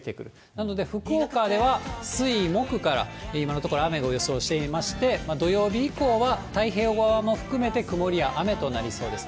なので、福岡では水、木から今のところ雨を予想しておりまして、土曜日以降は太平洋側も含めて、曇りや雨となりそうです。